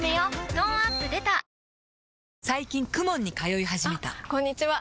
トーンアップ出た最近 ＫＵＭＯＮ に通い始めたあこんにちは！